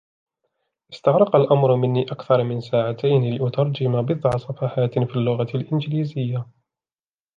استغرق الأمر مني أكثر من ساعتين لأترجم بضع صفحات في اللغة الإنجليزية.